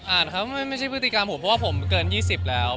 อ่านครับไม่ใช่ปฏิการผมเพราะผมเกิน๒๐แล้ว